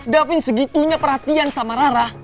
davin segitunya perhatian sama rara